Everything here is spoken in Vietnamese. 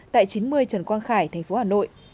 tại chín mươi trần quang khải tp hà nội